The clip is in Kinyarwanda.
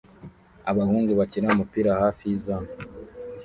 Abahungu bakina umupira hafi yizamu